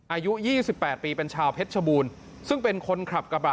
อายุ๒๘ปีเป็นชาวเพชรชบูรณ์ซึ่งเป็นคนขับกระบะ